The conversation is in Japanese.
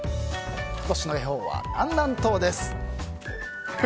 今年の恵方は南南東です。